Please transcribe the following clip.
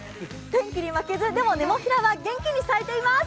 天気に負けず、でもネモフィラは元気に咲いています。